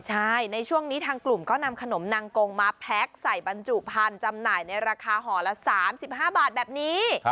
ใช่ในช่วงนี้ทางกลุ่มก็นำขนมนางกงมาแพ็คใส่บรรจุพันธุ์จำหน่ายในราคาห่อละ๓๕บาทแบบนี้